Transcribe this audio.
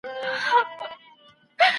دواړه بايد يو د بل د خوشالولو سببونه وپيژني.